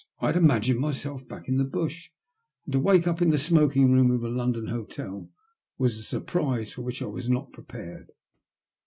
I had imagined myself back in the bash, and to wake up in the smoking room of a London hotel was a sur prise for which I was not prepared.